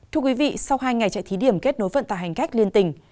thưa quý vị sau hai ngày chạy thí điểm kết nối vận tà hành cách liên tình